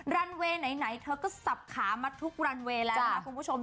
รันเวย์ไหนเธอก็สับขามาทุกรันเวย์แล้วนะคะคุณผู้ชม